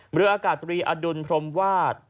เรืออากาศตรีอดุลพรมวาด